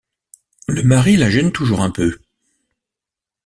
Le mari la gêne toujours un peu.